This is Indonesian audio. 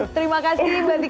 terima kasih mbak dika ramadhin